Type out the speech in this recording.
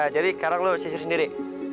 jadi sekarang lo sisir sendiri